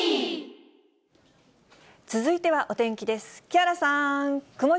続いてはお天気です。